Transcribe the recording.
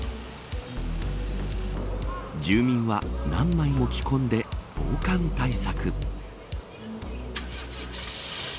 住民は何枚も着込んで防寒対策。